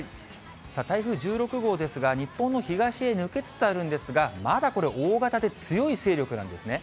台風１６号ですが、日本の東へ抜けつつあるんですが、まだこれ、大型で強い勢力なんですね。